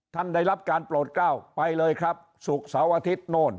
ท่านได้รับการโปรดก้าวไปเลยครับศุกร์เสาร์อาทิตย์โน่น